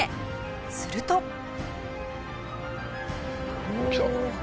すると。来た！